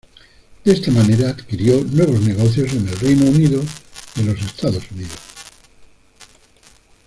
De esta manera, adquirió nuevos negocios en el Reino Unido y los Estados Unidos.